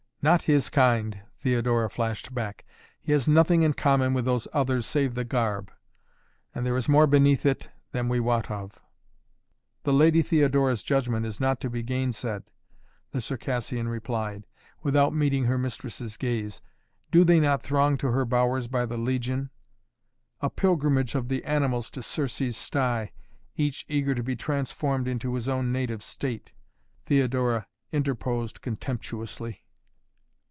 "Not his kind," Theodora flashed back. "He has nothing in common with those others save the garb and there is more beneath it than we wot of " "The Lady Theodora's judgment is not to be gainsaid," the Circassian replied, without meeting her mistress' gaze. "Do they not throng to her bowers by the legion " "A pilgrimage of the animals to Circé's sty each eager to be transformed into his own native state," Theodora interposed contemptuously.